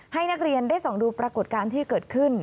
ให้นักเรียนได้ส่องดูปรากฏการณ์ที่เกิดขึ้น